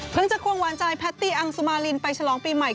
เพื่อจะควงวานใจแพทตีอังสุมาลินไปชะลองปีใหม่